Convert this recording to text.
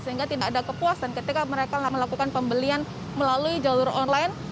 sehingga tidak ada kepuasan ketika mereka melakukan pembelian melalui jalur online